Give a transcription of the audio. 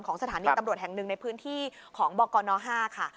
สถานีตำรวจแห่งหนึ่งในพื้นที่ของบกน๕ค่ะ